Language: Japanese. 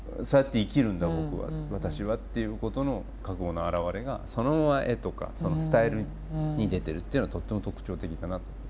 僕は私はっていうことの覚悟の表れがそのまま絵とかスタイルに出てるっていうのがとっても特徴的だなって。